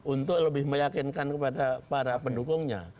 untuk lebih meyakinkan kepada para pendukungnya